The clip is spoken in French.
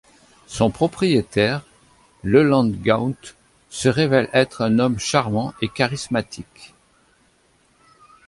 Son propriétaire, Leland Gaunt, se révèle être un homme charmant et charismatique.